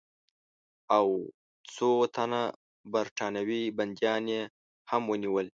او څو تنه برټانوي بندیان یې هم ونیول.